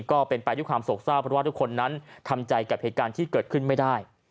ก็เป็นไปด้วยความโศกเศร้าเพราะว่าทุกคนนั้นทำใจกับเหตุการณ์ที่เกิดขึ้นไม่ได้